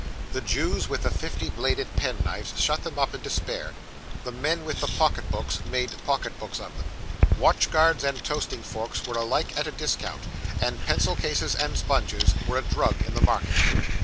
The Jews with the fifty bladed penknives shut them up in despair; the men with the pocket books made pocket books of them. Watch guards and toasting forks were alike at a discount, and pencil cases and sponges were a drug in the market.